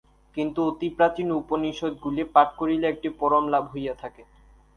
কিন্তু অতি প্রাচীন উপনিষদগুলি পাঠ করিলে একটি পরম লাভ হইয়া থাকে।